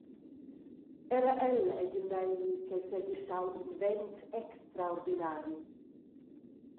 Era el ei dil meini ch’ei seigi stau in vent extraordinari.